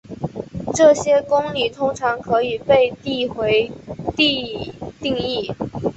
这些公理通常可以被递回地定义。